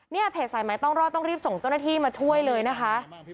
เพจสายไม้ต้องรอดต้องรีบส่งเจ้าหน้าที่มาช่วยเลยนะคะ